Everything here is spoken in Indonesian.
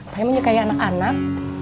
saya menyukai anak anak